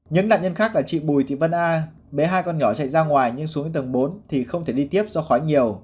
những nạn nhân khác là chị bùi thị vân a bé hai con nhỏ chạy ra ngoài nhưng xuống đến tầng bốn thì không thể đi tiếp do khói nhiều